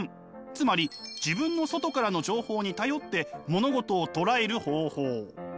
つまり自分の外からの情報に頼って物事をとらえる方法。